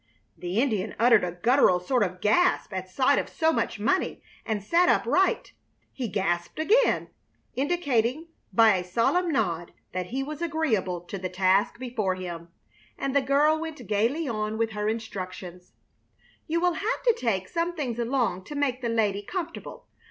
The Indian uttered a guttural sort of gasp at sight of so much money, and sat upright. He gasped again, indicating by a solemn nod that he was agreeable to the task before him, and the girl went gaily on with her instructions: "You will have to take some things along to make the lady comfortable.